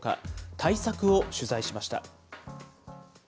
対策を取材しました。